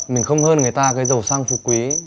mình không hơn người ta cái giàu sang phục quý